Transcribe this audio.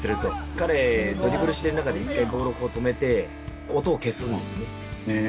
彼ドリブルしてる中で一回ボールを止めて音を消すんですね。